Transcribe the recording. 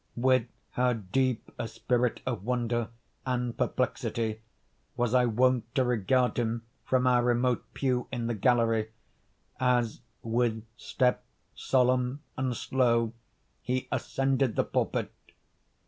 With how deep a spirit of wonder and perplexity was I wont to regard him from our remote pew in the gallery, as, with step solemn and slow, he ascended the pulpit!